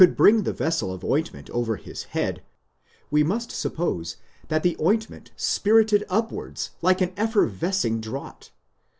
bring the vessel of ointment over his head, we must suppose that the ointment spirted upwards like an effervescing draught.